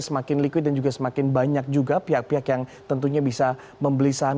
semakin liquid dan juga semakin banyak juga pihak pihak yang tentunya bisa membeli saham